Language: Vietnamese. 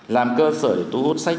làm cơ sở để thu hút